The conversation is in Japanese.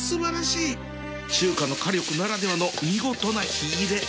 中華の火力ならではの見事な火入れ